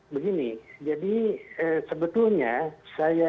begini jadi sebetulnya saya